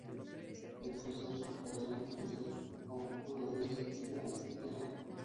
Ejerció su carrera eclesiástica como cura en la diócesis de Antequera.